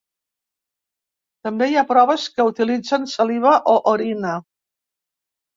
També hi ha proves que utilitzen saliva o orina.